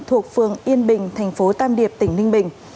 thuộc phường yên bình tp tam điệp tỉnh ninh bình